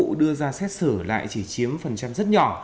chưa ra xét xử lại chỉ chiếm phần trăm rất nhỏ